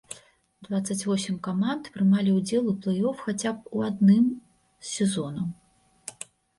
Дваццаць восем каманд прымалі ўдзел у плэй-оф хаця б у адным з сезонаў.